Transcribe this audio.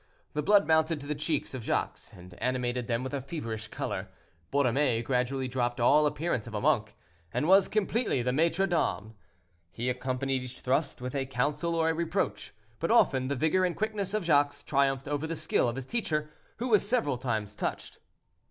The blood mounted to the cheeks of Jacques and animated them with a feverish color. Borromée gradually dropped all appearance of a monk, and was completely the maitre d'armes: he accompanied each thrust with a counsel or a reproach, but often the vigor and quickness of Jacques triumphed over the skill of his teacher, who was several times touched.